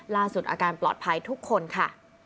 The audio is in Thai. อาการปลอดภัยทุกคนค่ะ